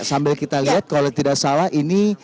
sambil kita lihat kalau tidak salah ini